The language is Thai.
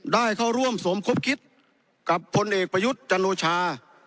ได้เข้าร่วมสมคบคิดกับพลเอกประยุทธ์จันโอชา